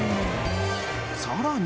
さらに。